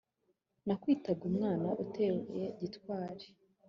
nakwitaga umwana uteye gitwari